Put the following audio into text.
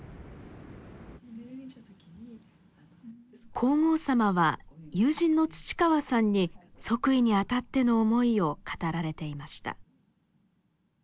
皇后さまは友人の土川さんに即位にあたっての思いを語られていました。